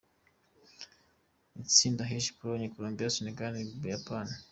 Itsinda H: Pologne, Colombie, Sénégal, u Buyapani.